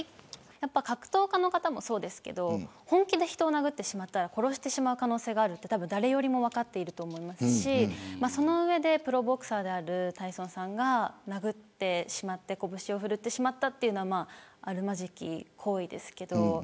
格闘家の方もそうですが本気で人を殴ったら殺す可能性があることを誰よりも分かっていると思いますしその上でプロボクサーであるタイソンさんが殴ってしまってこぶしをふるってしまったというのはあるまじき行為ですけれど。